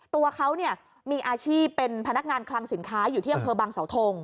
ตัวเขามีอาชีพเป็นพนักงานคลังสินค้าอยู่ที่อำเภอบังเสาทง